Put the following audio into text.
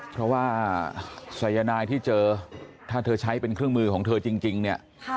เพราะว่าสายนายที่เจอถ้าเธอใช้เป็นเครื่องมือของเธอจริงเนี่ย